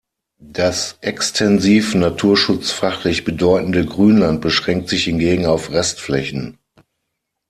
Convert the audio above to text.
Das extensiv naturschutzfachlich bedeutende Grünland beschränkt sich hingegen auf Restflächen.